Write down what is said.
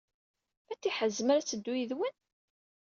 Fatiḥa tezmer ad teddu yid-wen?